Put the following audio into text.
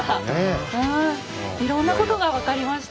いろんなことが分かりました。